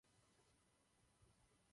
Jste na nesprávné cestě.